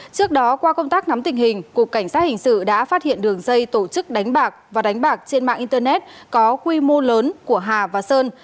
trước đó qua công tác nắm tình hình cục cảnh sát hình sự đã phát hiện đường dây tổ chức đánh bạc và đánh bạc trên mạng internet có quy mô lớn của hà và sơn